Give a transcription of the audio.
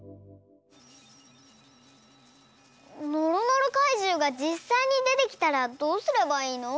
のろのろかいじゅうがじっさいにでてきたらどうすればいいの？